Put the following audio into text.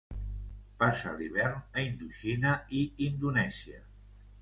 Passa l'hivern a Indoxina i Indonèsia.